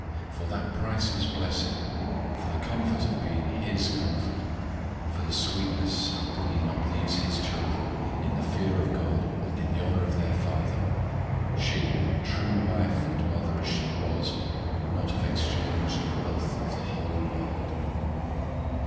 For that priceless blessing, for the comfort of being HIS comfort, for the sweetness of bringing up these his children in the fear of God and in the honour of their father she, true wife and mother as she was, would not have exchanged the wealth of the whole world.